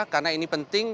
karena ini penting